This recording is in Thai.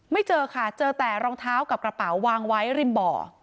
เจอค่ะเจอแต่รองเท้ากับกระเป๋าวางไว้ริมบ่อ